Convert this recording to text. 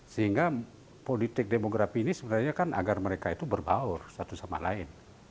sehingga politik demografi ini sebenarnya kan agar mereka itu berbaur satu sama lain